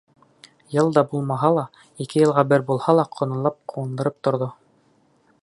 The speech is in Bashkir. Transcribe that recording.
Йыл да булмаһа ла, ике йылға бер булһа ла ҡолонлап ҡыуандырып торҙо.